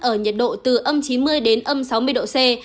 ở nhiệt độ từ âm chín mươi đến âm sáu mươi độ c